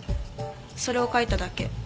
それを描いただけ。